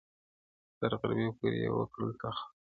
تر غرمي پوري یې وکړله تاختونه -